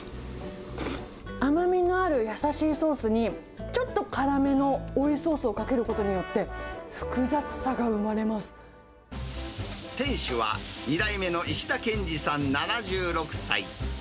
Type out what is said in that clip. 甘みのある優しいソースに、ちょっと辛めの追いソースをかけることによって、複雑さが生まれ店主は、２代目の石田憲司さん７６歳。